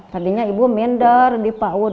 tadinya ibu mindar di paud